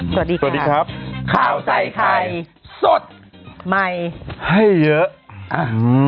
สวัสดีค่ะสวัสดีครับข้าวใส่ไข่สดใหม่ให้เยอะอ่ะอืม